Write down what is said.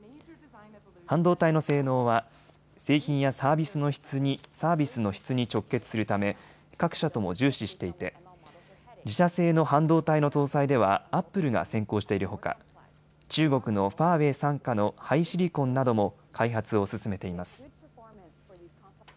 半導体の性能は製品やサービスの質に直結するため各社とも重視していて自社製の半導体の搭載ではアップルが先行しているほか中国のファーウェイ傘下のハイシリコンなども開発を進めています。